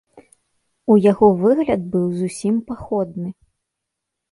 У яго выгляд быў зусім паходны.